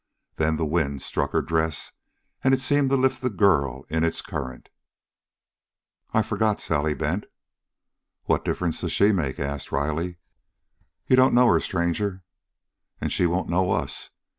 Then the wind struck her dress, and it seemed to lift the girl in its current. "I'd forgot Sally Bent!" "What difference does she make?" asked Riley. "You don't know her, stranger." "And she won't know us.